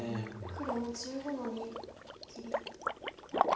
黒１５の二切り。